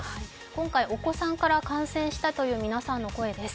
今回、お子さんから感染したという皆さんの声です。